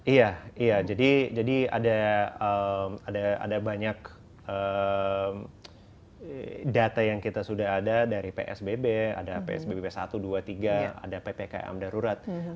iya iya jadi ada banyak data yang kita sudah ada dari psbb ada psbb satu dua tiga ada ppkm darurat